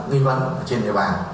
nguyên văn trên địa bàn